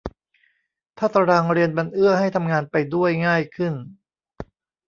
ถ้าตารางเรียนมันเอื้อให้ทำงานไปด้วยง่ายขึ้น